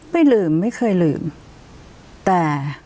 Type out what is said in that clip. ไม่ลืมไม่เคยลืมแต่